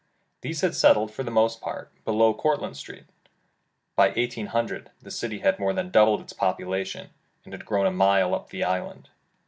'' These had settled for the most part below Courtland Street. By 1800, the city had more than doubled its population, and had grown a mile up the island.